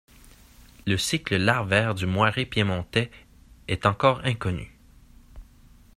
Le cycle larvaire du Moiré piémontais est encore inconnu.